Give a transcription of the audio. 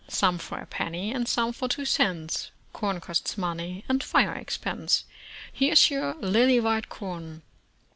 Some for a penny, and some for two c^'uts. Corn costs money, and fire expense. Here's your lily white corn."